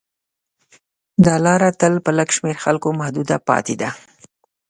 دا لاره تل په لږ شمېر خلکو محدوده پاتې ده.